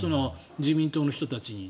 自民党の人たちに。